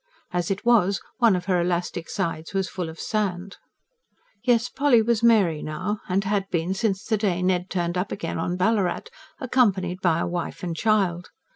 As it was, one of her elastic sides was full of sand. Yes, Polly was Mary now, and had been, since the day Ned turned up again on Ballarat, accompanied by a wife and child.